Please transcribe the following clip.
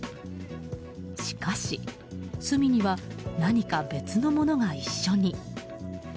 しかし、隅には何か別のものが一緒に。